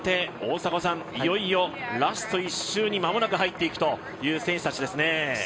大迫さん、いよいよラスト１周に間もなく入っていくという選手たちですね。